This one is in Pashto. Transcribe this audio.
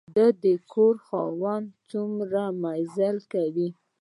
د دې کور خاوند څومره مزې کوي.